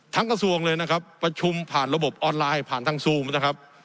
กระทรวงเลยนะครับประชุมผ่านระบบออนไลน์ผ่านทางซูมนะครับ